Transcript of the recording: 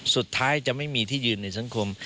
สุดท้ายจะไม่มีที่ยืนในสังคม